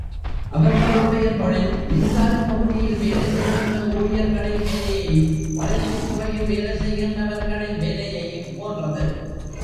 அவர்களுடைய தொழில் மின்சாரப் பகுதியில் வேலை செய்கின்ற ஊழியர்களின் வேலையையும், வளர்ச்சித் துறையில் வேலை செய்கிறவர்களின் வேலையையும் போன்றது.